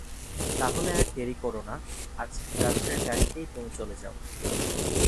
তা হলে আর দেরি কোরো না, আজ রাত্রের গাড়িতেই তুমি চলে যাও।